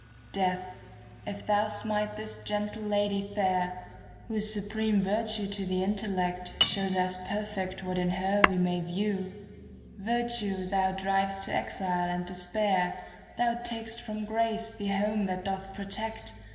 ^ Death, if thou smite this gentle lady fair. Whose supreme virtue to the intellect Shows as perfect what in her we may view, Virtue thou driv'st to exile and despair, Thou tak'st from grace the home that doth protect.